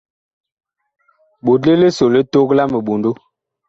Ɓotle liso li tok la miɓondo.